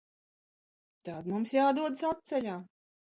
Tad mums jādodas atceļā.